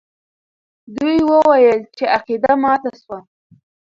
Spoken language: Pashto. دوی وویل چې عقیده ماته سوه.